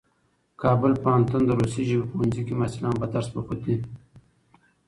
کابل پوهنتون د روسي ژبو پوهنځي کې محصلان په درس بوخت دي.